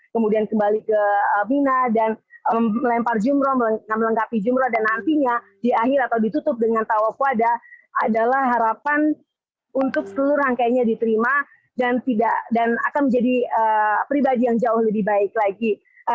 kemudian kembali ke mina dan melempar jumroh melengkapi jumroh dan nantinya di akhir atau ditutup dengan tawaf wadah adalah harapan untuk seluruh rangkaiannya diterima dan akan menjadi pribadi yang jauh lebih baik lagi